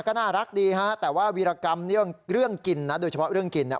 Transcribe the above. ก็น่ารักดีฮะแต่ว่าวีรกรรมเรื่องกินนะโดยเฉพาะเรื่องกินเนี่ย